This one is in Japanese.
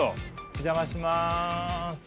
お邪魔します。